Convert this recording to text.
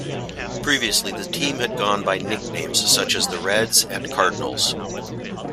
Previously, the team had gone by nicknames such as the Reds and Cardinals.